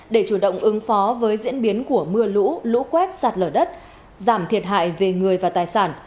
để chủ động ứng phó với diễn biến của mưa lũ lũ quét sạt lở đất giảm thiệt hại về người và tài sản